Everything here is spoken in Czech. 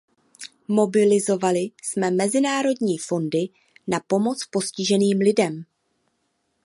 Mobilizovali jsme mezinárodní fondy na pomoc postiženým lidem.